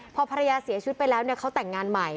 พอภรรยาเสียชีวิตไปแล้วเขาแต่งงานใหม่